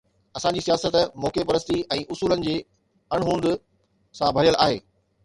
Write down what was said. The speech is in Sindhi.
اسان جي سياست موقعي پرستي ۽ اصولن جي اڻهوند سان ڀريل آهي.